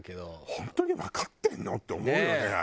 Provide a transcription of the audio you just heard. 本当にわかってるの？って思うよねあれ。